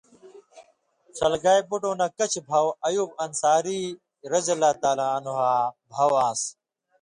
ݜلگے بُٹٶں نہ کَچھ بھاؤ ایوب انصاریؓ اں بھاؤ آن٘س۔